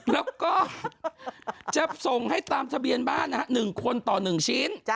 แล้วก็จะส่งให้ตามทะเบียนบ้าน๑คนต่อ๑ชิ้น